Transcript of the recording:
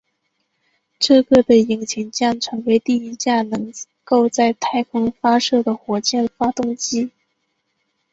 这个的引擎将成为第一架能够在太空发射的火箭发动机。